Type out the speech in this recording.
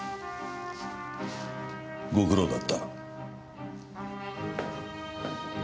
ご苦労だった。